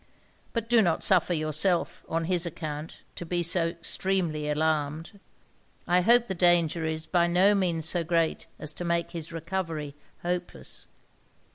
But do not suffer yourself, on his account, to be so extremely alarmed. I hope the danger is by no means so great as to make his recovery hopeless.